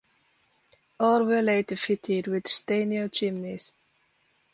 All were later fitted with Stanier chimneys.